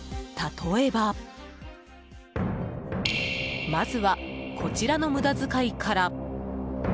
例えばまずは、こちらの無駄遣いから。